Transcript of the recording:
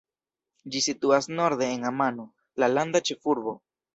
Ĝi situas norde de Amano, la landa ĉefurbo.